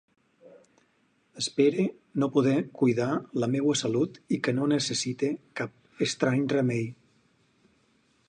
Espere poder cuidar la meua salut i que no necessite cap estrany remei.